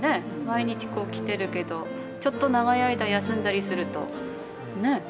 毎日こう来てるけどちょっと長い間休んだりするとね？